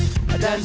kudisini kau disana